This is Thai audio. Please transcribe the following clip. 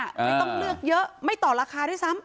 ไม่ต้องเลือกเยอะไม่ต่อราคาด้วยซ้ำ